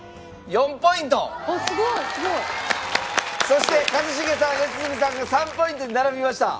そして一茂さん良純さんが３ポイントに並びました。